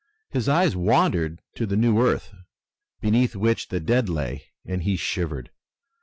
His eyes wandered to the new earth, beneath which the dead lay, and he shivered.